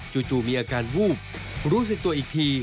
มีอาการวูบรู้สึกตัวอีกที